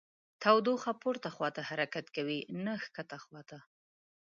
تودوخه پورته خواته حرکت کوي نه ښکته خواته.